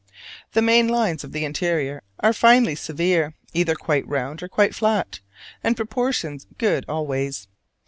The main lines of the interior are finely severe, either quite round or quite flat, and proportions good always.